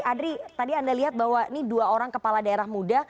adri tadi anda lihat bahwa ini dua orang kepala daerah muda